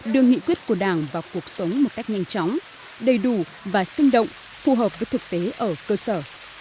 đưa nghị quyết của đảng vào cuộc sống một cách nhanh chóng đầy đủ và sinh động phù hợp với thực tế ở cơ sở